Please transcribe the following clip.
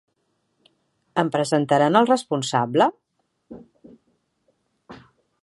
Em presentaran al responsable?